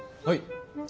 はい？